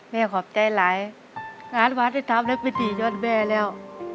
แม่ขอบใจหลายงานวัฒนธรรมและพิธียอดแม่แล้ว